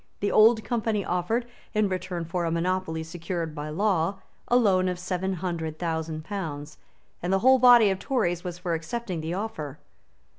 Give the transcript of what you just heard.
The Old Company offered, in return for a monopoly secured by law, a loan of seven hundred thousand pounds; and the whole body of Tories was for accepting the offer.